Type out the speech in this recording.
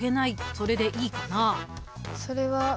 それでいいかな？